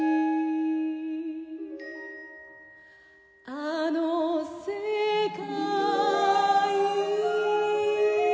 「あの世界」